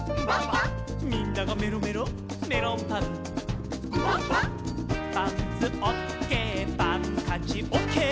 「みんながメロメロメロンパン」「」「パンツオッケーパンカチオッケー」